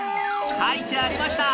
書いてありました！